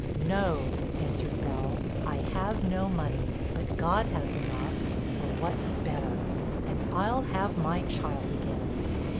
'No,' answered Bell, 'I have no money, but God has enough, or what's better! And I'll have my child again.'